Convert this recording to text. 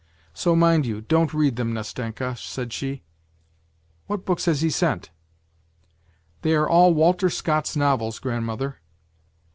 So mind you don't read them, Nastenka,' said she. ' What books has he sent ?'"' They are all Walter Scott's novels, grandmother.'